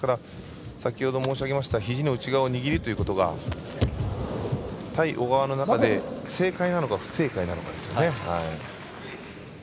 先ほど申し上げましたひじの内側を握るというのが対小川の中で正解なのか不正解なのかですね。